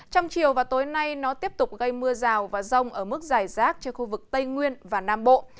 trong chiều và tối nay nó tiếp tục gây mưa rào và rông ở mức dài rác trên khu vực tây nguyên và nam bộ